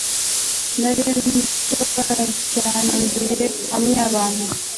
Nari ndwaye cyane nisanzuye hamwe nabantu